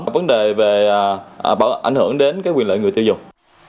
và vấn đề ảnh hưởng đến quyền lợi người tiêu dùng